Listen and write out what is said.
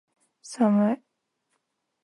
寒い